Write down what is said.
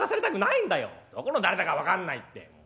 「『どこの誰だか分かんない』って。